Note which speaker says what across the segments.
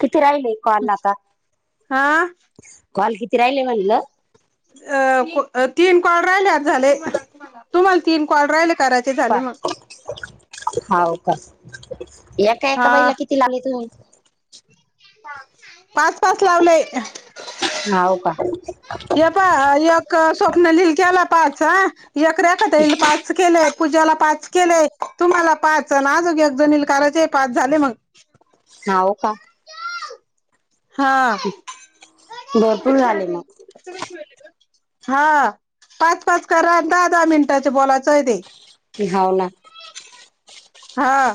Speaker 1: किती राहिलय कॉल आता
Speaker 2: हा
Speaker 1: कॉल किती राहिलय म्हणलं
Speaker 2: तीन कॉल राहिले आज झाले तुम्हाला तीन कॉल राहिले कराय
Speaker 1: हाव का एका एका
Speaker 2: हा
Speaker 1: बाईला किती लागले तुम्ही
Speaker 2: पाच पाच लावलय
Speaker 1: हाव का
Speaker 2: स्वप्नालीला केला पाच एक रेखाताईला पाच पाच केले पूजाला पाच केले तुम्हाला पाच अन् एकजणीला करायचे पाच झाले मग
Speaker 1: हाव का
Speaker 2: हा
Speaker 1: भरपूर झाले मग
Speaker 2: हा पाच पाच करा अन् दहा दहा मिनिटाच बोलायचंय ते
Speaker 1: की हाव ना
Speaker 2: हा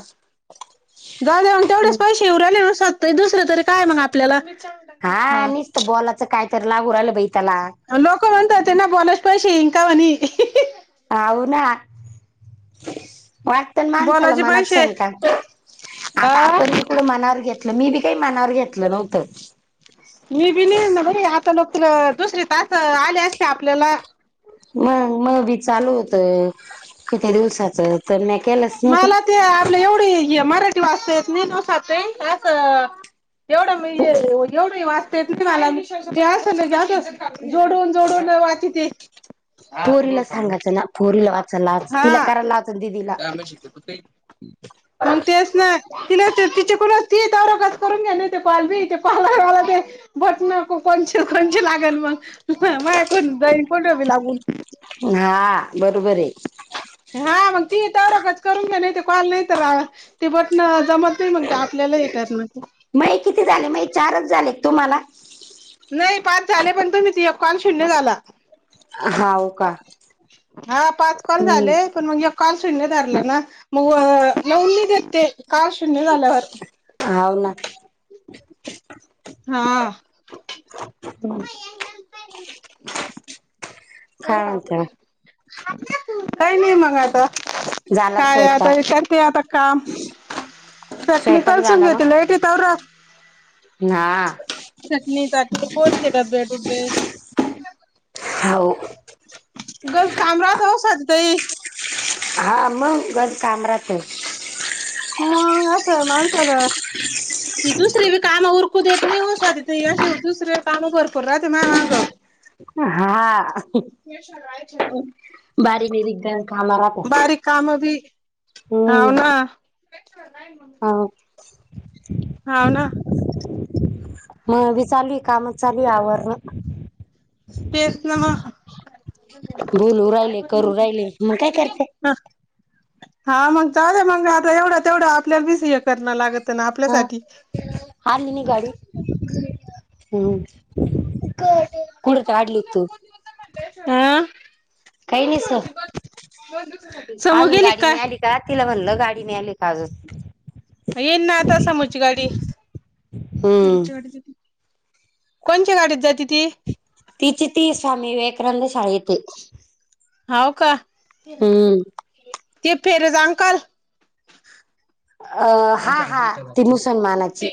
Speaker 2: झाले मग तेवढेच पैसेे येऊन राहिले ताई दुसरं तरी कायय मग आपल्याला हा
Speaker 1: बॉलाचं काय तर लागू राहील बाई त्याला
Speaker 2: लोक होऊन जाते ना बोलायच पैसेे येईन कवानी
Speaker 1: हाव ना वाटतन माणसाला
Speaker 2: बोलायचे
Speaker 1: मनात
Speaker 2: पैसे
Speaker 1: शंका आता
Speaker 2: आ
Speaker 1: आपण बि कुट मनावर घेत मी बी काय मनावर घेतलं नव्हतं
Speaker 2: मी बी नई आता बाई आता लोक तुल दुसरी टास्क आली असते आपल्याला
Speaker 1: मग मग बी चालू होतय किती दिवसाच तर म्या केलच
Speaker 2: मला ते आपली एवढी मराठी वाचता येत नाही ना एवढं म्हणजे एवढंही वाचता येत नाही मला जोडून जोडून वाचिते
Speaker 1: पोरीला सांगायचं ना पोरीला वाचाला लागायचं तिला करायला लावायचं ना दीदीला
Speaker 2: आम्ही शक्यतो ते मग तेच तिला तिच्याकडून असती तोवर उगच करून घ्या ना ते पाल बी ते पाल आहे मला ते बटण को कोणची कोणची लागल मग मायाकडून जाईल कुठ बी लागून
Speaker 1: हा बरोबर आहे
Speaker 2: हा मग ती तोवर उगच करून घ्या नाही ते कॉल नैतर ती बटन जमत मग ते आपल्याला येतात मग ते
Speaker 1: माई किती झाले माई चारच झाले तुम्हाला
Speaker 2: नाही पाच झाले पण तुम्हीच एक कॉल शून्य झाला
Speaker 1: हाव का?
Speaker 2: हा पाच कॉल
Speaker 1: हम्म.
Speaker 2: झाले पण मग काल शून्य धरलं ना मग लवून नई देत ते कॉल शून्य झाल्यावर
Speaker 1: हाव ना
Speaker 2: हा
Speaker 1: हू
Speaker 2: [inaudible]
Speaker 1: काय म्हणता
Speaker 2: काही नाही मग आता.
Speaker 1: झाला का
Speaker 2: काय
Speaker 1: स्वयंपाक?
Speaker 2: आता [unintelligible] आता काम.
Speaker 1: स्वयंपाक झाला मग?
Speaker 2: [unintelligible]
Speaker 1: हा
Speaker 2: चटणी [unintelligible] पोरीचे डब्बे डुबे.
Speaker 1: हाओ.
Speaker 2: [unintelligible] काम राहत हो [unintelligible]
Speaker 1: हा, मग घरात काम राहतय.
Speaker 2: मग अस माणसाला, ती दुसरी काम उरकू देत नाही हो स्वाती ताई. अशे दुसरे कामं भरपूर राहते माये मागं.
Speaker 1: हा. बारीक, बिरीक बी काम राहता.
Speaker 2: बारीक काम बी हाव ना.
Speaker 1: हो.
Speaker 2: हाव ना.
Speaker 1: [unintelligible] चालूय, कामच चालूय. आवरण.
Speaker 2: तेस ना म.
Speaker 1: बोलून राहिले, करून राहिले, मग काय करत?
Speaker 2: हा, मग चाले मग आता एवढं तेवढं आपल्याला विस हे करण लागत.
Speaker 1: हा
Speaker 2: आपल्यासाठी
Speaker 1: आली ना गाडी. [inaudible] काही नाही सर
Speaker 2: समु
Speaker 1: अजून
Speaker 2: गेली की
Speaker 1: गाडी नाही
Speaker 2: काय?
Speaker 1: आली का तिला म्हणलं, गाडी मिळाली का ग?
Speaker 2: येईल ना. आता समुची गाडी.
Speaker 1: हम्म
Speaker 2: कोणच्या गाडीत जाते ती?
Speaker 1: तिची ती, स्वामी विवेकानंद शाळेते.
Speaker 2: हाव का?
Speaker 1: अं हा हा, ती मुसलमानाची.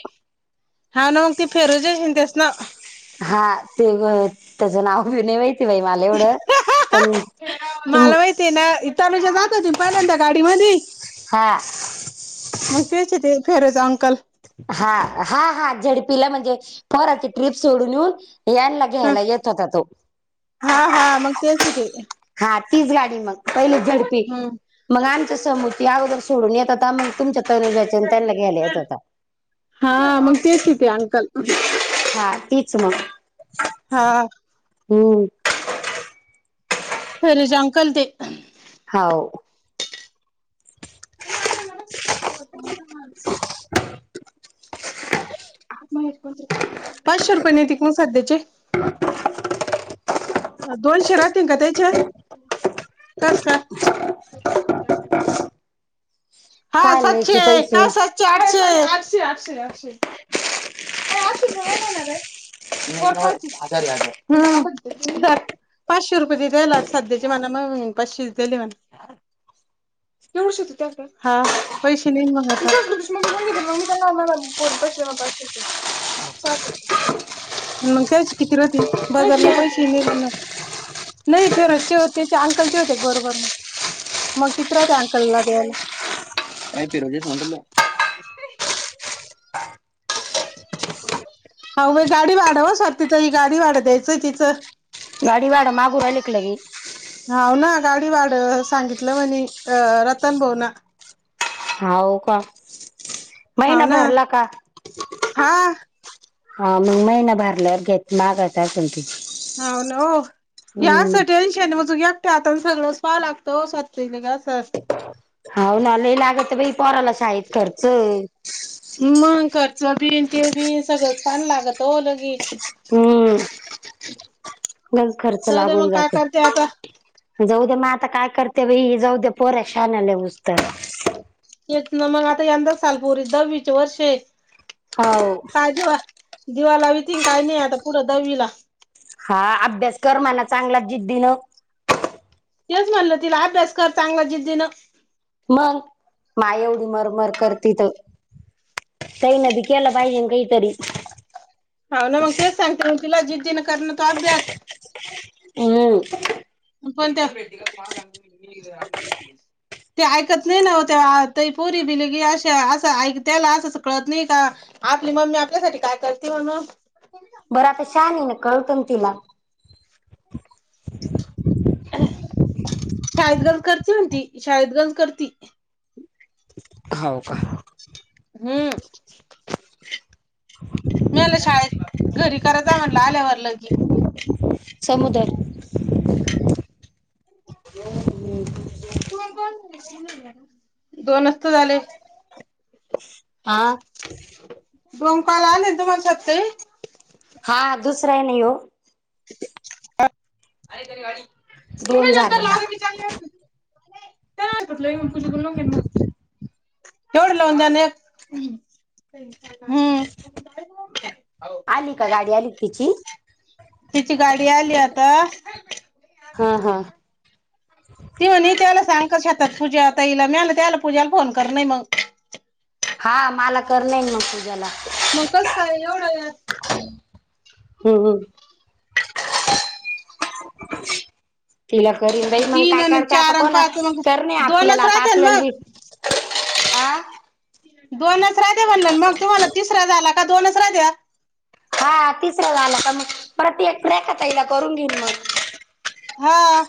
Speaker 2: हा ना. मग ती फेरूच जाश तेस ना?
Speaker 1: हा, [unintelligible] त्याचं नाव [unintelligible] [unintelligible]
Speaker 2: ते ना. तनुजा जात होती ना पहिल्यांदा गाडीमधी.
Speaker 1: हा.
Speaker 2: मग तेच होते, फेरोज अंकल.
Speaker 1: हा हा हा, झेड पी ला म्हणजे पोराची ट्रिप सोडून येऊन, याय लाग
Speaker 2: ह
Speaker 1: घ्यायला येत होता तो.
Speaker 2: हा हा मग तेच ते
Speaker 1: हा तीच गाडी, मग पहिले झेड पी
Speaker 2: ह
Speaker 1: मग, आमच्या समु तिला अगोदर सोडून येत होता मग तुमच्या तनुजा [unintelligible] त्यांना घ्यायला येतं होता.
Speaker 2: हा, मग तेच की, ते अंकल.
Speaker 1: हा, तिचं. [unintelligible]
Speaker 2: हा.
Speaker 1: हम्म.
Speaker 2: [unintelligible] अंकल ते.
Speaker 1: हाव
Speaker 2: त्यात मा [unintelligible] पाचशे रुपये नाही ते कोण साद देते दोनशे राहतील का त्याचे कस काय? हा
Speaker 1: काय आणायचे
Speaker 2: सातशे
Speaker 1: पैसे
Speaker 2: का सातशे आठशे आठशे आठशे [unintelligible] पाचशे रुपये दि दलात सध्याचे म्हना मग पाचशे दिली म्हण एवढीशी होती त्यात काय पैसे नाही मग आता [unintelligible] मग चालतंय की मंग त्याची किती राती बाजारला पैशे ही नाही राहणार नाही फेरतचे हो त्या अंकलचे होते एक बरोबर मग किती राहते अंकलला द्यायला [unintelligible] हा म गाडी भाड स्वाती ताई गाडी भाड दयायचं तिचं
Speaker 1: गाडी भाडं मागू राहली क लगे
Speaker 2: हाव ना गाडी भाडं सांगितलं म्हणे अ रतन भाऊना
Speaker 1: हाऊ का
Speaker 2: हाव
Speaker 1: महिना
Speaker 2: ना
Speaker 1: भरला का?
Speaker 2: हा
Speaker 1: ह मग महिना भरल्या घेत मागतं असल ती
Speaker 2: हो न हो या
Speaker 1: हम्म
Speaker 2: असं टेन्शन म तु घ्या ते आता सगळंचं पहावं लागतं ओ स्वाती ताईला का अस
Speaker 1: हो ना लई लागते बाई पोराला शाळेत खर्चय.
Speaker 2: मग खर्च बी ते बी सगळं छान लागत हो लगेच
Speaker 1: हम्म
Speaker 2: [inaudible]
Speaker 1: लईच खर्च
Speaker 2: जाऊ दे
Speaker 1: लागून
Speaker 2: मग काय
Speaker 1: जाते.
Speaker 2: करते आता
Speaker 1: जाऊ द्या मग आता काय करते बाई जाऊद्या पोऱ्या शहाण्या लागूस्तर
Speaker 2: तेच ना मग आता यंदाच सालपोरी दहावीचे वर्षे हेत
Speaker 1: हाव
Speaker 2: कालजी वा दिवा लावीती काय नाही आता पुढं दहावीला
Speaker 1: हा अभ्यास कर मला चांगला जिद्दीनं
Speaker 2: तेच म्हणलं तिला अभ्यास कर चांगला जिद्दीनं
Speaker 1: मंग माय एवढी मरमर करती तर तई न बी केला पाहिजे ना काहीतरी
Speaker 2: हाव ना मग तेच सांगते म तिला जिद्दीनं कर ना तू अभ्यास
Speaker 1: हम्म
Speaker 2: [unintelligible] ते ऐकत नाही ना होत ताई पोरी बी लगी अशा असं ऐक त्याला असं कळत नाही का? आपली मम्मी आपल्यासाठी काय करते म्हणून
Speaker 1: बरं आता शनिवार ना कळतं ना तिला
Speaker 2: शायदगज करते ना ती शायद गज करती
Speaker 1: होव का
Speaker 2: हम्म मला शाळेत घरी करायचा म्हटलं आल्यावर लगी
Speaker 1: समुदर
Speaker 2: दोनचं तर झाले
Speaker 1: हा
Speaker 2: डंकाला ना तुम्हालासाठी शकते!
Speaker 1: हा दुसरा आहे नाही हो! दोन
Speaker 2: तुम्ही
Speaker 1: झाले
Speaker 2: नंतरॉ
Speaker 1: ना
Speaker 2: काय ल पूजा करून घे मग जोर लावनाएवढलाऊान हम्म्म! !
Speaker 1: आली का गाडी आत्ती तिची!
Speaker 2: तिची गाडी आली आता!
Speaker 1: हा! हा!
Speaker 2: ती म्ह त्याला सांग कशतात पूजा तईला मला, त्याला पूजाला फोन कर नाही मग
Speaker 1: हा मला कर नाही मग पूज्याला
Speaker 2: मगच काय एवढं यात
Speaker 1: हम् हम् [inaudible] [inaudible] [unintelligible] [inaudible] [inaudible] तिला करीन जाई मग
Speaker 2: तीन
Speaker 1: काय
Speaker 2: आणि
Speaker 1: करते आता
Speaker 2: चार आणि
Speaker 1: कोण
Speaker 2: पाच मग
Speaker 1: करणे? आपल्याला
Speaker 2: दोनच
Speaker 1: आता
Speaker 2: राहते ना
Speaker 1: आपल्याला बी!
Speaker 2: मग
Speaker 1: हाआं! !
Speaker 2: दोनच रा द्या म्हणल! मग तुम्हाला तिसरा झाला. का दोनच रा द्या
Speaker 1: हा तिसरं झाला का? मग परत एक, फ्रेख तईला करून घेऊ मग
Speaker 2: हा! !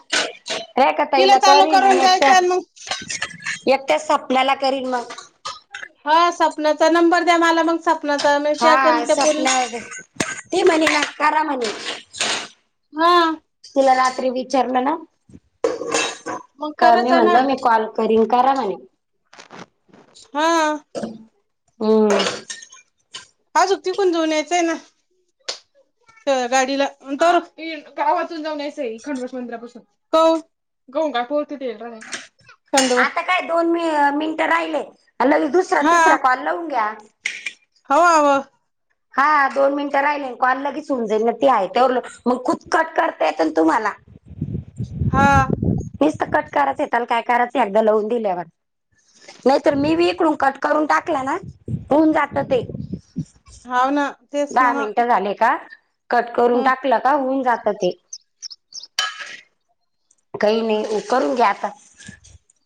Speaker 1: हे काता इला करीन मग, एकट्या
Speaker 2: द्यायचा मग
Speaker 1: एकट्या स्वपनाला करीन मग
Speaker 2: हा सपनाचा नंबर द्या! मला मग सपनाचा म त्या करीन त्या पोरवीस
Speaker 1: ते म्हणे का? करा म्हणे!
Speaker 2: हा! !
Speaker 1: तुला रात्री विचारलं ना?
Speaker 2: मग
Speaker 1: क मी
Speaker 2: करायचा ना
Speaker 1: म्हणलं मी कॉल करीन, करा म्हणे
Speaker 2: हा! !
Speaker 1: हम्म! !
Speaker 2: आजुक तिकून जवनयचंय ना! तगाडीला तर गावातून जाऊनयचं आहे, खंडपोठ मंदिरापासून हो गोंगापूरती देल रा थंडवा! !
Speaker 1: आता काय दोन मिनिटं राहिले ल, दुसरा तिसरा कॉल लावून घ्या.
Speaker 2: हवा! अवा! !
Speaker 1: हा दोन मिनिटं राहिले, कॉल लगेच उऊंजईल ना? ती आहे. तेलं मग खुद कट करता, येत ना तुम्हाला!
Speaker 2: हा! !
Speaker 1: मीस तर कट करायचं! त्याला काय करायचंय एकदा लवून दिल्यावर नाहीतर मी विकडून कट करून टाकला ना? होऊन जात. ते
Speaker 2: हाव ना तेच ना
Speaker 1: दहा
Speaker 2: मग
Speaker 1: मिनट झाले का? कट करून
Speaker 2: हम्म
Speaker 1: टाकलं का? होऊन जात. ते काही नाही उ करून घ्या आता!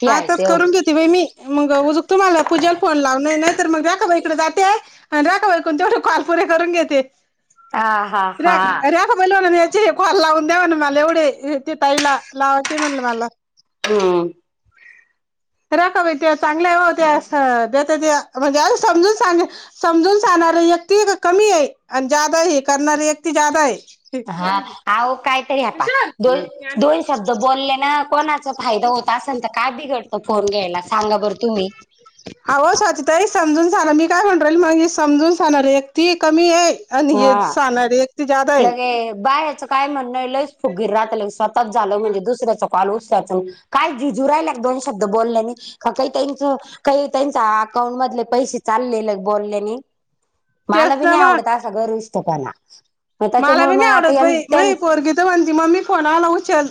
Speaker 1: ती
Speaker 2: हा
Speaker 1: आहे
Speaker 2: तरच
Speaker 1: ते
Speaker 2: करून घेते बा मी, मग उजक तुम्हाला पूजाला फोन लावून ना? तर मग राखबाईकडडे जाते. आणि राखबाईकून तेवढे कॉल पुरे करून घेते.
Speaker 1: हा हा
Speaker 2: रा!
Speaker 1: हा
Speaker 2: रा! ! - ब याचे खला लावून द्यावा ना? मला एवढे, ते ताईला लावायचे म्हणलं मला!
Speaker 1: हा! !
Speaker 2: र का बैट चांगल्या होत्या, त्या ते म्हणजे समजून सांग समजून सांगणारी व्यक्ती कमी आहे. आणि, जादा हे करणारी व्यक्ती जादा आहे.
Speaker 1: हा अहो कायतरी आप दोन दोन शब्द बोलले ना? कोणा! जर फायदा होत असल, तर काय बिघडतं फोन घ्यायला सांगा? बरं तुम्ही.
Speaker 2: आहो स्वाती ताई समजून झाल. मी काय म्हणुन राहीली मी मग समजून सांगणार व्यक्ती कमी ये. आणि हेच सांगणारे व्यक्ती ज्यादा आहे.
Speaker 1: बाह्यांचं काय म्हंण ये लईच फुगीर राहता. स्वतःच झालं म्हणजे दुसऱ्याच कॉल उचलाचुन काय झिजू [unintelligible] राहिला का एक- दोन शब्द बोलल्याने. काही काहींच काही ताईंच अकाउंट मधले पैसे चाललेले बोलल्याने. माला
Speaker 2: तेच
Speaker 1: बी
Speaker 2: ना
Speaker 1: नाही
Speaker 2: मग
Speaker 1: आवडत. असा गर्विष्ठ पणा
Speaker 2: माला बी नाही आवडत बाई मही पोरगी तर म्हणती मम्मी फोन आला उचल.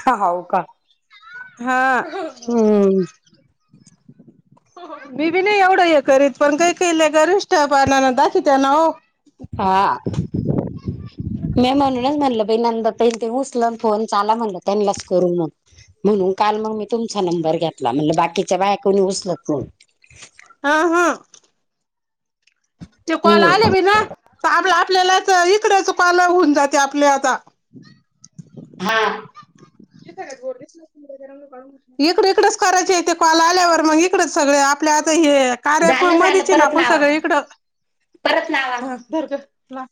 Speaker 1: ह हो का?
Speaker 2: हा
Speaker 1: हम्म
Speaker 2: [inaudible] मीबी नाही एवढं हे करीत. पण कायी कायी लई गर्विष्ठ पानाना दाखवित्याना हो.
Speaker 1: हा [inaudible] मी म्हणूनच म्हणलं नंद ताईंन ते उसलन फोन चाला म्हणलं त्यांनाच करू मग म्हणून काल मग मी तुमचा नंबर घेतला. म्हणल बाकीच्या बाया कोणी उचलत नाही.
Speaker 2: हा हा त्यो कॉल आले
Speaker 1: हम्म
Speaker 2: भी ना तर आपलं आपल्यालाच इकडे च कॉल होऊन जाते. आपल्या आता
Speaker 1: हा
Speaker 2: एखाद गोर दिस इकड -इकडच करायचे ते कॉल आल्यावर मग इकडेच सगळे आपल्या आता हे कार्या ॲप
Speaker 1: झालं झालं
Speaker 2: मध्येच ना
Speaker 1: परत
Speaker 2: आपण
Speaker 1: लावा
Speaker 2: सगळे इकडं
Speaker 1: परत लावा.
Speaker 2: ह धर ग लाव.